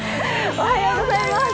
おはようございます！